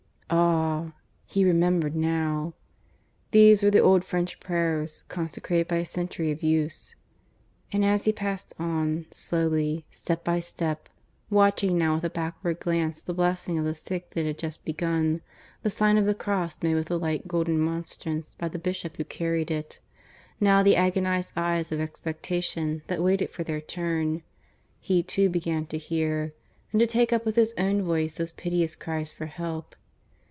Ah! he remembered now. These were the old French prayers, consecrated by a century of use; and as he passed on, slowly, step by step, watching now with a backward glance the blessing of the sick that had just begun the sign of the cross made with the light golden monstrance by the bishop who carried it now the agonized eyes of expectation that waited for their turn, he too began to hear, and to take up with his own voice those piteous cries for help.